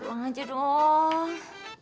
pulang aja dong